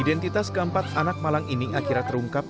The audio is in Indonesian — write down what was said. ketika mereka berada di rumah mereka berada di rumah